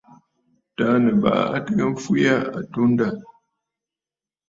Taà Nɨ̀bàʼà a tɨgə mfee aa atunda yâ.